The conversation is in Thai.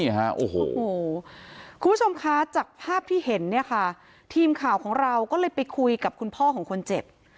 คุณผู้ชมคะจากภาพที่เห็นเนี่ยค่ะทีมข่าวของเราก็เลยไปคุยกับคุณพ่อของคนเจ็บ